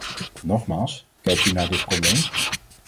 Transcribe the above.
Nogmaals, kijkt u naar dit probleem.